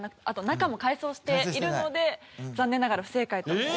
あと中も改装しているので残念ながら不正解と。